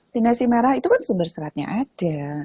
di nasi merah itu kan sumber seratnya ada